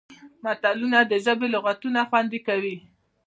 متلونه د ژبې لغتونه خوندي کوي